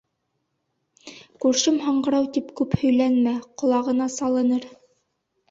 Күршем һаңғырау, тип, күп һөйләнмә: ҡолағына салыныр.